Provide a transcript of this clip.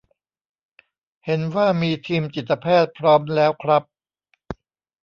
เห็นว่ามีทีมจิตแพทย์พร้อมแล้วครับ